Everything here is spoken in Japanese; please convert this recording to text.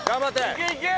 いけいけ！